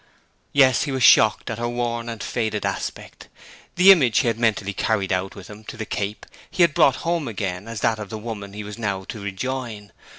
Yes; he was shocked at her worn and faded aspect. The image he had mentally carried out with him to the Cape he had brought home again as that of the woman he was now to rejoin.